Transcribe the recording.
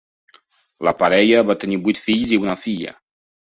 La parella va tenir vuit fills i una filla.